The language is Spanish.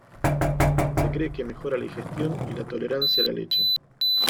Se cree que mejora la digestión y la tolerancia a la leche.